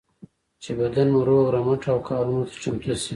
چې بدن مو روغ رمټ او کارونو ته چمتو شي.